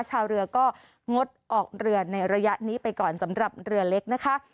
ชาวเรือก็งดออกเรือในระยะนี้ไปก่อนสำหรับเรือเล็กนะคะ